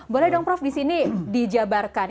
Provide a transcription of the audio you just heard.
boleh dong prof di sini dijabarkan